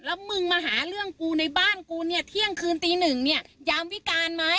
แล้วมึงมาหาเรื่องกูในบ้านกูเนี่ยเที่ยงคืนตีหนึ่งเนี่ยยามวิการไหม